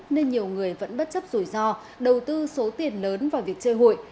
nên nhiều người vẫn bất chấp rủi ro đầu tư số tiền lớn vào việc chơi hụi